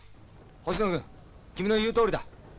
ホシノ君君の言うとおりだ。